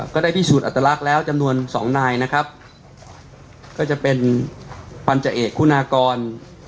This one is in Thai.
ก็ได้พิสูจนอัตลักษณ์แล้วจำนวนสองนายนะครับก็จะเป็นพันธเอกคุณากร